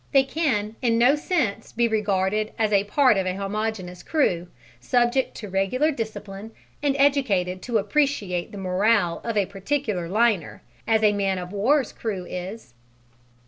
They can in no sense be regarded as part of a homogeneous crew, subject to regular discipline and educated to appreciate the morale of a particular liner, as a man of war's crew is.